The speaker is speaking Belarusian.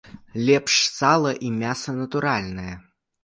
Лепш сала і мяса, натуральнае.